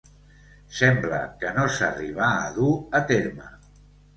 Sembla que no s'arribà a dur a terme.